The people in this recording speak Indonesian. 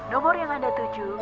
nomor yang anda tuju